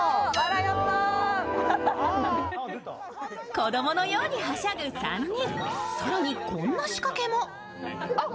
子供のようにはしゃぐ３人。